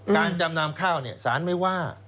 จำนำข้าวสารไม่ว่า